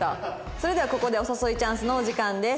それではここでお誘いチャンスのお時間です。